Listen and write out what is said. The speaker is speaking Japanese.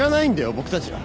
僕たちは。